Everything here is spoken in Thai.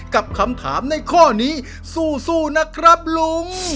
กับคำถามในข้อนี้สู้นะครับลุง